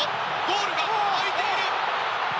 ゴールが空いている。